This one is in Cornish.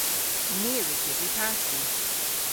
Ni a wrug dybri pasti.